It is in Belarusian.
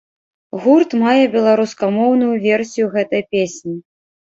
Гурт мае беларускамоўную версію гэтай песні.